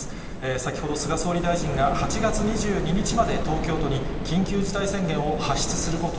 先ほど、菅総理大臣が８月２２日まで東京都に緊急事態宣言を発出すること